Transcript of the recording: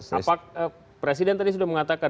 apa presiden tadi sudah mengatakan